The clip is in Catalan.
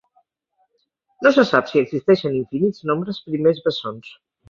No se sap si existeixen infinits nombres primers bessons.